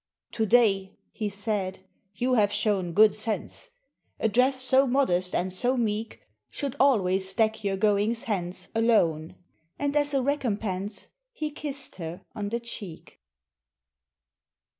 "To day," he said, "you have shown good sense, A dress so modest and so meek Should always deck your goings hence Alone." And as a recompense He kissed her on the cheek.